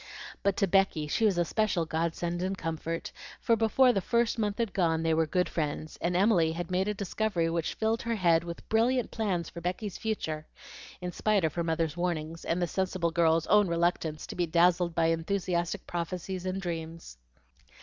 But to Becky she was a special godsend and comfort, for before the first month had gone they were good friends, and Emily had made a discovery which filled her head with brilliant plans for Becky's future, in spite of her mother's warnings, and the sensible girl's own reluctance to be dazzled by enthusiastic prophecies and dreams.